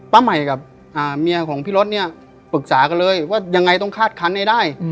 ใหม่กับเมียของพี่รถเนี่ยปรึกษากันเลยว่ายังไงต้องคาดคันให้ได้